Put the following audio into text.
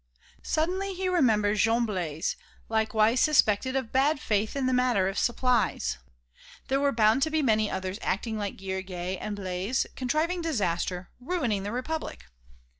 Suddenly he remembered Jean Blaise, likewise suspected of bad faith in the matter of supplies. There were bound to be many others acting like Guillergues and Blaise, contriving disaster, ruining the Republic!